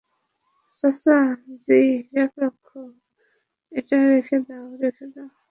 চাচা জি - হিসাবরক্ষক, এটা রেখে দাও, রেখে দাও!